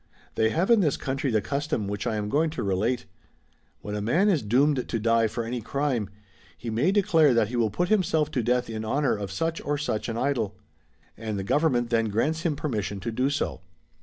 "' They have in this country the custom which I am going to relate. When a man is doomed to die for any crime, he may declare that he will put himself to death in honour of such or such an idol ; and the government then grants him permission to do so.